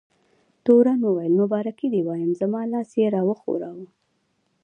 تورن وویل: مبارکي دې وایم، زما لاس یې را وښوراوه.